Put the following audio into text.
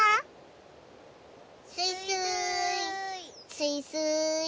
スイスーイ。